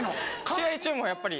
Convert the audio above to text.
試合中もやっぱり。